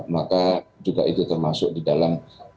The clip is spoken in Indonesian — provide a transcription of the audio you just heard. maka juga itu termasuk didalam kbri